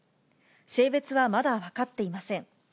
性別はまだ分かっていません。